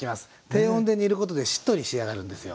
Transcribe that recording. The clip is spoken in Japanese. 低温で煮ることでしっとり仕上がるんですよ。